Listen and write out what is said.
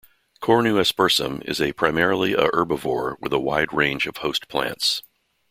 "Cornu aspersum" is a primarily a herbivore with a wide range of host plants.